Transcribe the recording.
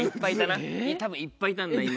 たぶんいっぱいいたんだ今。